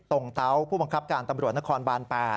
เตาผู้บังคับการตำรวจนครบาน๘